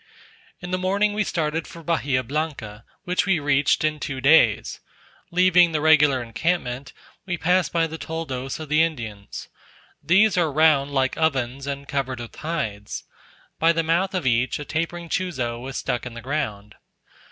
In the morning we started for Bahia Blanca, which we reached in two days. Leaving the regular encampment, we passed by the toldos of the Indians. These are round like ovens, and covered with hides; by the mouth of each, a tapering chuzo was stuck in the ground.